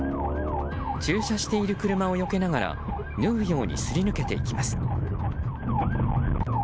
駐車している車をよけながら縫うようにすり抜けていきます。